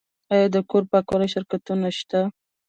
آیا د کور پاکولو شرکتونه شته؟